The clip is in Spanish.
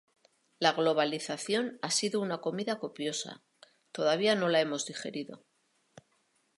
La globalización ha sido una comida copiosa todavía no la hemos digerido